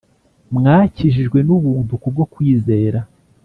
Mwakijijwe n’ubuntu kubwo kwizera